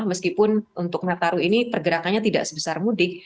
meskipun untuk nataru ini pergerakannya tidak sebesar mudik